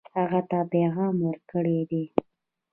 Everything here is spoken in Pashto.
هغه ته پیغام ورکړی دی.